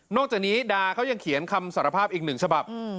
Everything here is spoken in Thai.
จากนี้ดาเขายังเขียนคำสารภาพอีกหนึ่งฉบับ